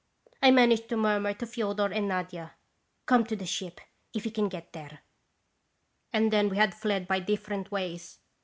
" I managed to murmur to Feodor and Nadia :' Come to the ship if you can get there/ and then we had fled by different ways.